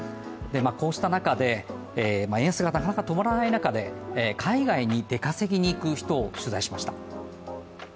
こうした円安がなかなか止まらない中で海外に出稼ぎに行く人を取材しました。